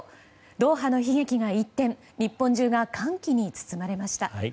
ドーハの悲劇が一転日本中が歓喜に包まれました。